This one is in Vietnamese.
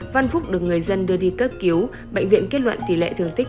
văn phúc được người dân đưa đi cất cứu bệnh viện kết luận tỷ lệ thường tích một mươi hai